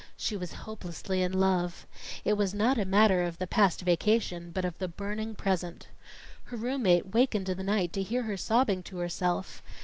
She was hopelessly in love. It was not a matter of the past vacation, but of the burning present. Her room mate wakened in the night to hear her sobbing to herself.